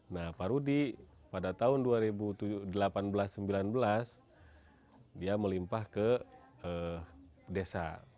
nah pak rudi pada tahun dua ribu delapan belas dua ribu sembilan belas dia melimpah ke desa